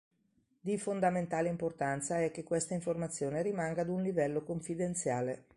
Di fondamentale importanza è che questa informazione rimanga ad un livello confidenziale.